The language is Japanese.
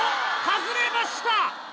外れました！